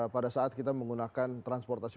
pada saat kita menggunakan transportasi